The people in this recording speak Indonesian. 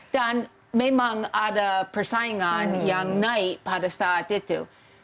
dan memang ada persaingan yang naik pada saat itu